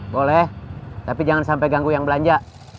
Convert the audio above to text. boleh tapi jangan sampai ganggu yang belanja